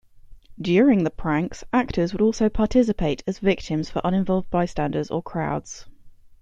During the pranks, actors would also participate as victims for uninvolved bystanders or crowds.